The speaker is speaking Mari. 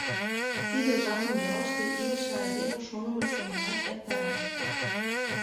Тиде жапым ялыште илыше айдеме шонымыж семын эртара.